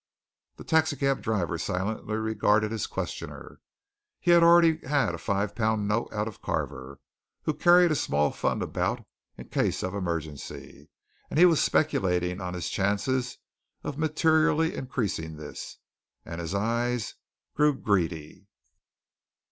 The taxi cab driver silently regarded his questioner. He had already had a five pound note out of Carver, who carried a small fund about him in case of emergency; he was speculating on his chances of materially increasing this, and his eyes grew greedy.